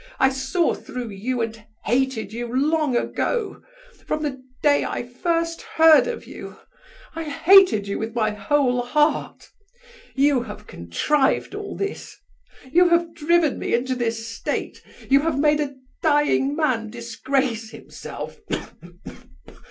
I saw through you and hated you long ago; from the day I first heard of you. I hated you with my whole heart. You have contrived all this! You have driven me into this state! You have made a dying man disgrace himself.